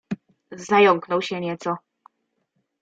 "Zająknął się nieco."